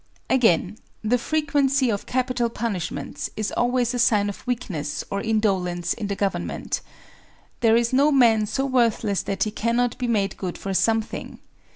Again, the frequency of capital punishments is always a sign of weakness or indolence in the government. There is no man so worthless that he cannot be made good for something.